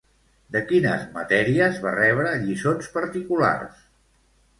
De quines matèries va rebre lliçons particulars?